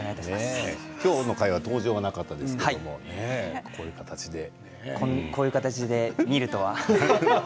今日の回は登場はなかったですけれどもこういう形で見るとは。